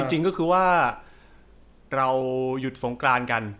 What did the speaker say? จริงก็คือว่าเราหยุดสงกรานกัน